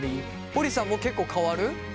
ほりぃさんも結構変わる？